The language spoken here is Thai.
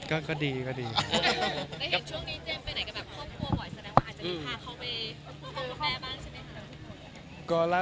คบคัวบ่อยแสดงว่าอาจจะพาเขาไปที่เป็นค้าแม่บ้านใช่มั้ย